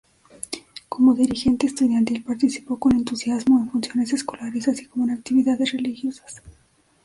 Como dirigente estudiantil, participó con entusiasmo en funciones escolares así como en actividades religiosas.